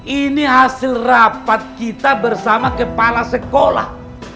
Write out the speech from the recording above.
ini hasil rapat kita bersama kepala sekolah